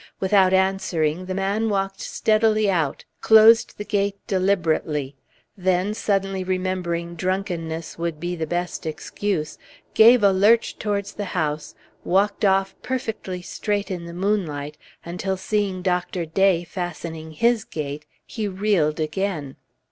Without answering the man walked steadily out, closed the gate deliberately; then, suddenly remembering drunkenness would be the best excuse, gave a lurch towards the house, walked off perfectly straight in the moonlight, until seeing Dr. Day fastening his gate, he reeled again.